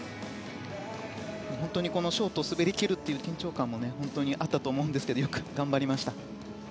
本当にショートを滑り切るという緊張感もあったと思うんですけれどもよく頑張りました。